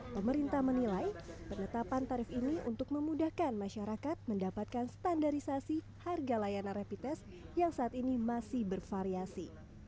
pemerintah menilai penetapan tarif ini untuk memudahkan masyarakat mendapatkan standarisasi harga layanan rapid test yang saat ini masih bervariasi